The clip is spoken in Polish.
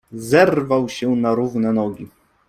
Zerwał się na równe nogi.